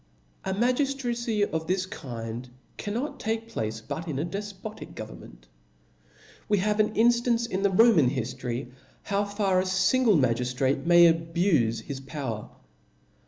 Magiftracy of this kind cannot take placfe but in a defpotic government. We have an inftance in the Roman hiftory how far a fingje magiftrate may abufe his power.